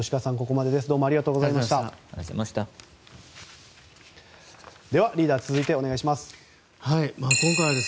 では、リーダー続いてお願いします。